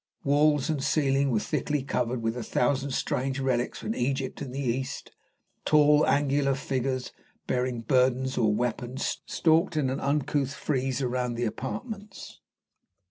Walls and ceiling were thickly covered with a thousand strange relics from Egypt and the East. Tall, angular figures bearing burdens or weapons stalked in an uncouth frieze round the apartments.